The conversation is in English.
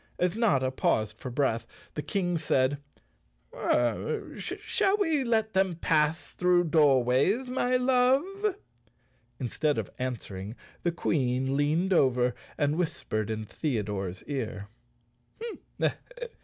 As Notta paused for breath, the King said, "Shall we let them pass through Doorways, my love?" In¬ stead of answering the Queen leaned over and whis¬ pered in Theodore's ear.